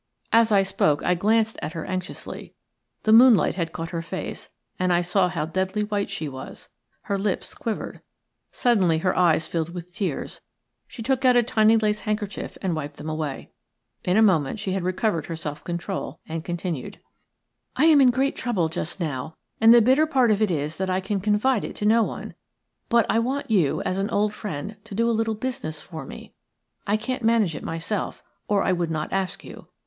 As I spoke I glanced at her anxiously. The moonlight had caught her face, and I saw how deadly white she was. Her lips quivered. Suddenly her eyes filled with tears. She took out a tiny lace handkerchief and wiped them away. In a moment she had recovered her self control and continued:– "I am in great trouble just now, and the bitter part of it is that I can confide it to no one. But I want you, as an old friend, to do a little business for me. I can't manage it myself, or I would not ask you.